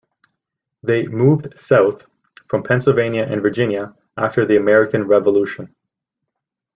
They moved south from Pennsylvania and Virginia after the American Revolution.